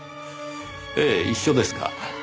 ええ一緒ですが。